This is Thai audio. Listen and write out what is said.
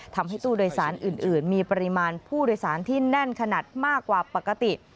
ทำให้ตู้โดยสารอื่นมีปริมาณผู้โดยสารที่แน่นขนาดมากกว่าปกติ